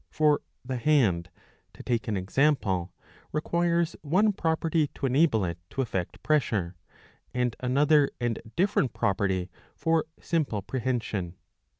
For the hand, to take an example, requires one property to enable it to effect pressure, and another and different 646 b. 11. I. 21 property for simple prehension.